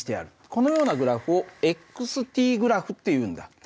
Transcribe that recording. このようなグラフを−ｔグラフっていうんだ。